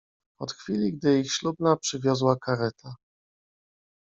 Od chwili, gdy ich ślubna przywiozła kareta